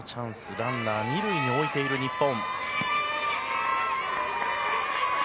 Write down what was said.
ランナー２塁に置いている日本。